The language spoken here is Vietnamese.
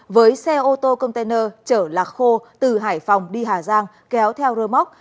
với xe ô tô container chở lạc khô từ hải phòng đi hà giang kéo theo rơ móc